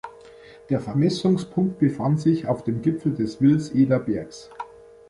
Der Vermessungspunkt befand sich auf dem Gipfel des Wilseder Bergs.